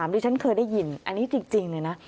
ดิฉันเคยได้ยินอันนี้จริงเลยนะ